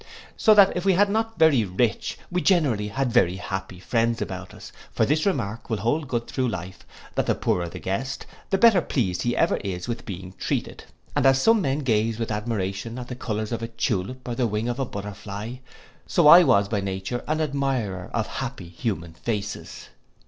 So that if we had not, very rich, we generally had very happy friends about us; for this remark will hold good thro' life, that the poorer the guest, the better pleased he ever is with being treated: and as some men gaze with admiration at the colours of a tulip, or the wing of a butterfly, so I was by nature an admirer of happy human faces.